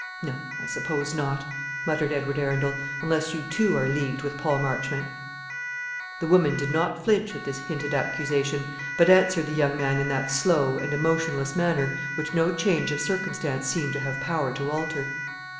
"No; I suppose not," muttered Edward Arundel, "unless you too are leagued with Paul Marchmont." The woman did not flinch at this hinted accusation, but answered the young man in that slow and emotionless manner which no change of circumstance seemed to have power to alter.